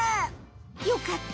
よかった。